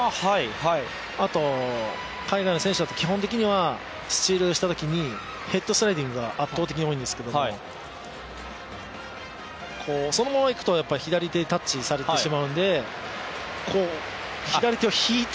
また海外の選手だと基本的にはスチールしたときに、ヘッドスライディングが圧倒的に多いんですけど、そのままいくと左手にタッチされてしまうんで左手を引いて。